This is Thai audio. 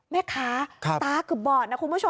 แม่ค้าตาเกือบบอดนะคุณผู้ชม